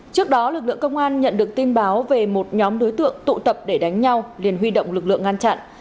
trước đó lực lượng công an nhận được tin báo về một nhóm đối tượng tụ tập để đánh nhau liền huy động lực lượng ngăn chặn